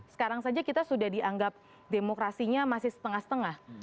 sekarang saja kita sudah dianggap demokrasinya masih setengah setengah